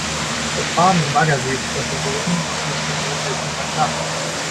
Das Baden im Baggersee ist zwar verboten, doch dieses Verbot hält niemanden ab.